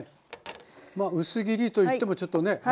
まあ薄切りといってもちょっとね。